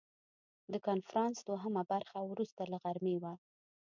د کنفرانس دوهمه برخه وروسته له غرمې وه.